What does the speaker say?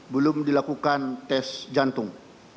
belum dilakukan tes jantung